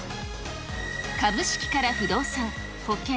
株式から不動産、保険、